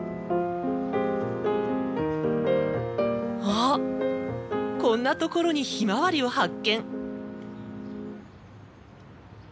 あっこんなところにひまわりを発見。